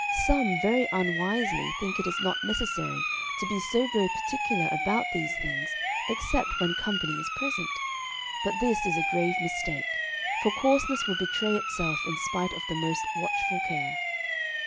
Some very unwisely think it is not necessary to be so very particular about these things except when company is present. But this is a grave mistake, for coarseness will betray itself in spite of the most watchful care.